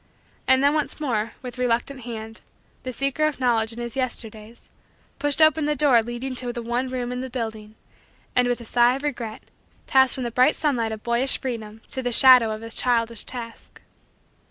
And then once more, with reluctant hand, the seeker of Knowledge, in his Yesterdays, pushed open the door leading to the one room in the building and, with a sigh of regret, passed from the bright sunlight of boyish freedom to the shadow of his childish task.